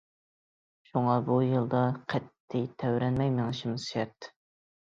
شۇڭا بۇ يولدا قەتئىي تەۋرەنمەي مېڭىشىمىز شەرت.